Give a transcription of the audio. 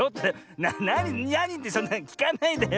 なにってそんなきかないでよ。